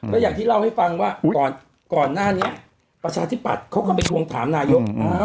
ก็อย่างที่เล่าให้ฟังว่าก่อนหน้านี้ประชาธิปัตย์เขาก็ไปทวงถามนายก